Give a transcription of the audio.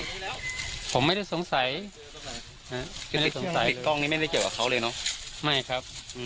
ผมไม่ได้สงสัยไม่ได้สงสัยติดติดกล้องนี้ไม่ได้เจอกับเขาเลยเนอะไม่ครับอืม